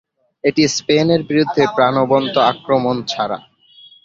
এটি স্পেনের বিরুদ্ধে প্রাণবন্ত আক্রমণ ছাড়া।